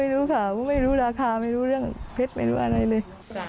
ไม่รู้ค่ะไม่รู้ราคาไม่รู้เรื่องเพชรไม่รู้อะไรเลย